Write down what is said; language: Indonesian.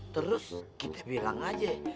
terus kita bilang aja